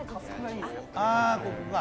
ああここか。